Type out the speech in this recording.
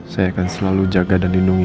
saya akan selalu jaga dan lindungi